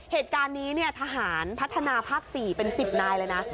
เหตุการณ์นี้ทหารพัฒนาภาค๔เป็น๑๐นายเลยนะ